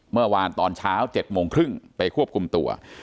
เมื่อวานตอนเช้า๗โมงครึ่งไปควบคุมตัว